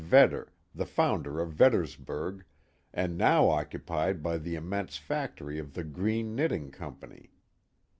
Vedder, the founder of Vedders burg, and now occupied by the immense factory of the Greene Knitting Company.